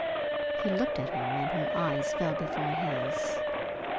He looked at her, and her eyes fell before his.